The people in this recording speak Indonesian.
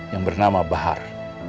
yang bernama bahar